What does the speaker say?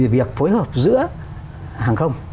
việc phối hợp giữa hàng không